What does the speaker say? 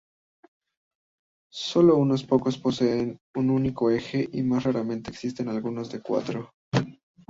Sólo unos pocos poseen un único eje y más raramente existen algunos de cuatro.